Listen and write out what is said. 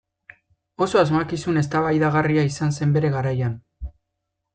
Oso asmakizun eztabaidagarria izan zen bere garaian.